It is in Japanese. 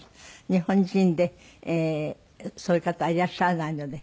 日本人でそういう方はいらっしゃらないので。